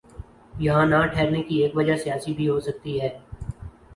یہاں نہ ٹھہرنے کی ایک وجہ سیاسی بھی ہو سکتی ہے۔